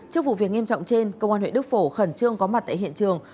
trước vụ việc nghiêm trọng trên công an huyện đức phổ khẩn trương có mặt tại hiện trường